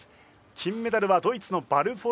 金メダルはドイツのヴァルフォロミーフ。